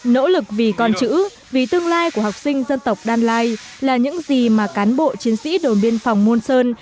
nỗ lực vì con chữ vì tương lai của học sinh dân tộc đan lai là những gì mà cán bộ chiến sĩ đồn biên phòng môn sơn